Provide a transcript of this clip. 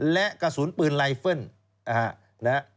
และกระสุนปืนไลเฟิล